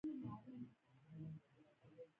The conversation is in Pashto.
فلم د ولس د غږ ژباړه ده